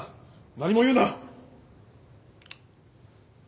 何も言うな！